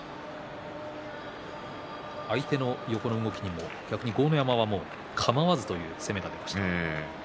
相手の横の動きにも豪ノ山は、かまわずという攻めが見えました。